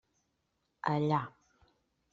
Allà.